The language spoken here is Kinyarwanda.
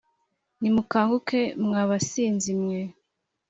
Nimukanguke, mwa basinzi mwe,